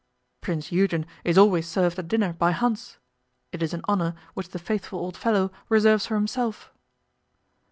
'Prince Eugen is always served at dinner by Hans. It is an honour which the faithful old fellow reserves for himself.